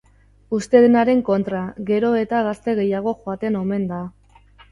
Uste denaren kontra, gero eta gazte gehiago joaten omen da.